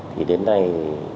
thì đến nay